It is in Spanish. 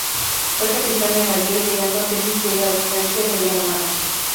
Fue Capitán de Navío, llegando a ser vicealmirante de la Armada.